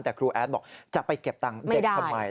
แต่ครูแอดบอกจะไปเก็บตังค์เด็กทำไม